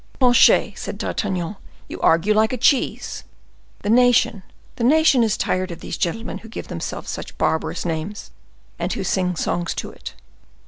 "Planchet," said D'Artagnan, "you argue like a cheese! The nation—the nation is tired of these gentlemen who give themselves such barbarous names, and who sing songs to it.